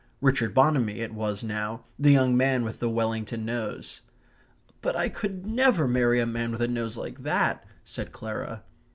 Richard Bonamy it was now, the young man with the Wellington nose. "But I could never marry a man with a nose like that," said Clara.